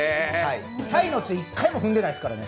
タイの地１回も踏んでないですからね。